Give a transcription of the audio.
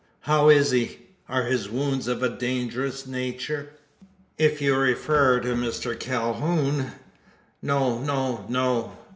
How is he? Are his wounds of a dangerous nature?" "If you refar to Mister Cal hoon " "No no no.